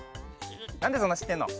なんでそんなしってんの？